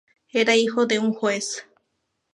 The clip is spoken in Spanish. Era hijo de un juez.